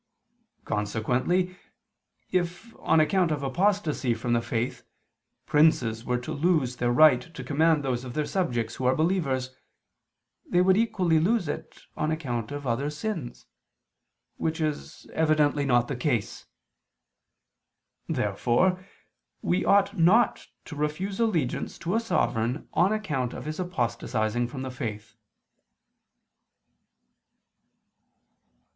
Consequently if, on account of apostasy from the faith, princes were to lose their right to command those of their subjects who are believers, they would equally lose it on account of other sins: which is evidently not the case. Therefore we ought not to refuse allegiance to a sovereign on account of his apostatizing from the faith.